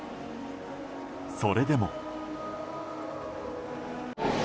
それでも。